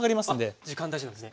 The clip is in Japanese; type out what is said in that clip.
あっ時間大事なんですね。